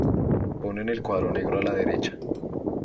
Ponen el cuadro negro a la derecha.